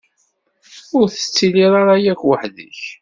Ur tettiliḍ ara yakk weḥd-k.